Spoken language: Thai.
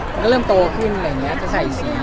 ก็เริ่มโตขึ้นอย่างเงี้ยจะใส่ซี